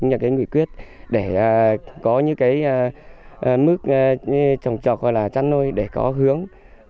cũng như cái nguyện quyết để có những cái mức trồng trọc hoặc là trăn nôi để có hướng